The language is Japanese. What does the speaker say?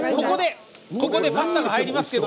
ここでパスタが入ります。